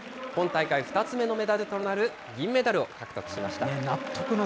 今大会２つ目のメダルとなる、銀メダルを獲得しました。